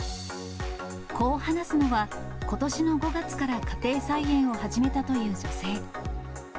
こう話すのは、ことしの５月から家庭菜園を始めたという女性。